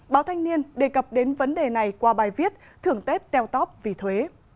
báo thanh niên đề cập đến vấn đề này qua bài viết thưởng tết teo tóp vì thuế